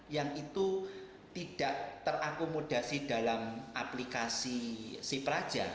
yang itu tidak terakomodasi dalam aplikasi sipraja